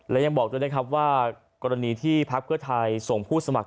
และยังบอกด้วยนะครับว่ากรณีที่พักเพื่อไทยส่งผู้สมัคร